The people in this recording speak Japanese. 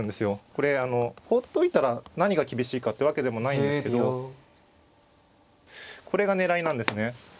これほっといたら何が厳しいかってわけでもないんですけどこれが狙いなんですね。